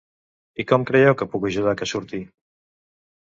I com creieu que puc ajudar que surti?